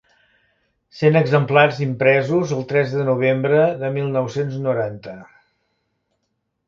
Cent exemplars impresos el tres de novembre de mil nou-cents noranta.